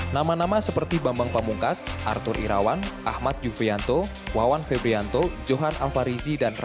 nama nama seperti bambang pamungkas arthur irawan ahmad yufrianto wawan febrianto johan alfarizi dan ratu